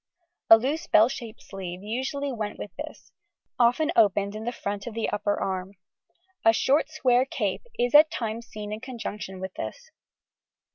A loose bell shaped sleeve usually went with this, often opened in the front of the upper arm. A short square cape is at times seen in conjunction with this.